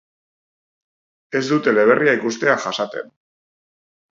Ez du teleberria ikustea jasaten.